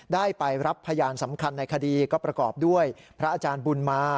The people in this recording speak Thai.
ได้ไปรับพยานสำคัญในคดีก็ประกอบด้วยพระอาจารย์บุญมา